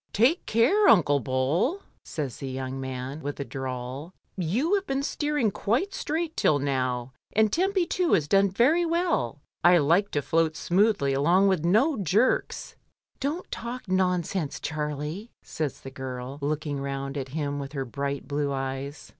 "Take care, Unde Bol," says the young man, with a drawl, "you have been steering quite straight till now, and Tempy too has done very well. I like to float smoothly along with no jerks." "Don't talk nonsense, Charlie," says the girl, looking round at him with her bright blue eyes.